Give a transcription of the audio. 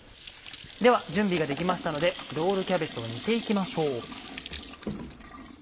では準備ができましたのでロールキャベツを煮て行きましょう。